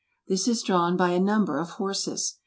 This is drawn by a number of horses.